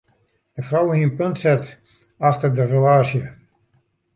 De frou hie in punt set efter de relaasje.